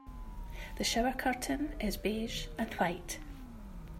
The shower curtain is beige and white.